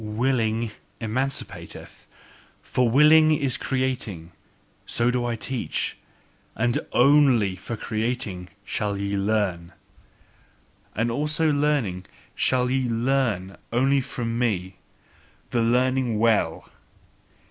Willing emancipateth: for willing is creating: so do I teach. And ONLY for creating shall ye learn! And also the learning shall ye LEARN only from me, the learning well!